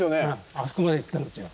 あそこまで行ったんですよ。